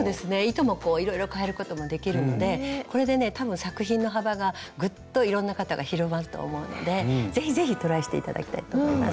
糸もいろいろ変えることもできるのでこれでね多分作品の幅がぐっといろんな方が広まると思うので是非是非トライして頂きたいと思います。